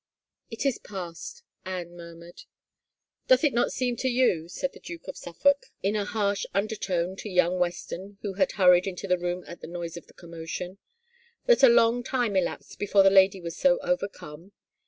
" It is past," Anne murmured. '* Doth it not seem to you," said the Duke of Suffolk in a harsh undertone to young Weston who had hurried into the room at the noise of the commotion, " that a long time elapsed before the lady was so overcome?